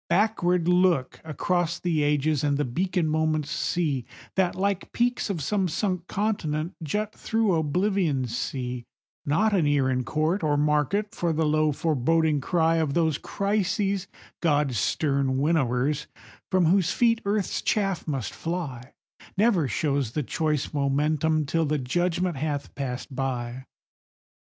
Backward look across the ages and the beacon moments see, That, like peaks of some sunk continent, jut through Oblivion's sea; Not an ear in court or market for the low foreboding cry Of those Crises, God's stern winnowers, from whose feet earth's chaff must fly; Never shows the choice momentous till the judgment hath passed by.